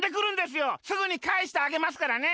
すぐにかえしてあげますからね。